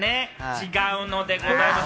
違うのでございます！